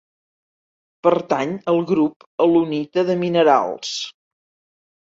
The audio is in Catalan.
Pertany al grup alunita de minerals.